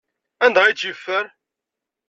Anda ay tt-yeffer?